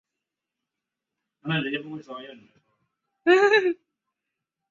而原本漳州籍的乡民是在外木山搭木造小庙奉祀原乡的守护神开漳圣王。